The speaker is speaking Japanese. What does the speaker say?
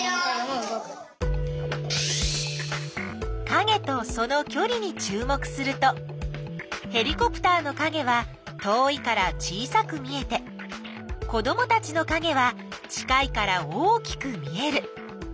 かげとそのきょりにちゅう目するとヘリコプターのかげは遠いから小さく見えて子どもたちのかげは近いから大きく見える。